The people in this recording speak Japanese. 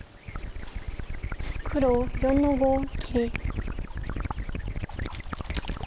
黒４の五切り。